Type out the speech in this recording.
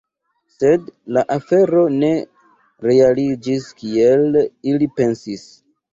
Sed, la afero ne realiĝis kiel ili pensis.